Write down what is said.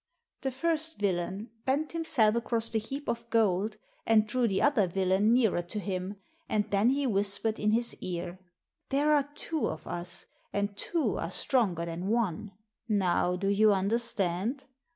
The first villain bent himself across the heap of gold and drew the other villain nearer to him, and then he whispered in his ear, " There are two of us, and two are stronger than one — now do you understand?